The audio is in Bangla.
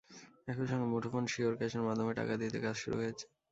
একই সঙ্গে মুঠোফোন শিওর ক্যাশের মাধ্যমে টাকা দিতে কাজ শুরু হয়েছে।